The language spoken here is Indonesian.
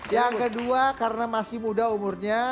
yang kedua karena masih muda umurnya